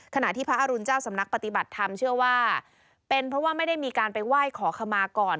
ขณะที่พระอรุณเจ้าสำนักปฏิบัติธรรมเชื่อว่าเป็นเพราะว่าไม่ได้มีการไปไหว้ขอขมาก่อน